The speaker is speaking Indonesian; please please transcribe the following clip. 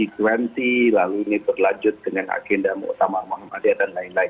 g dua puluh lalu ini berlanjut dengan agenda utama muhammadiyah dan lain lain